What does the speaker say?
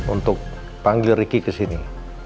untuk panggil ricky kesini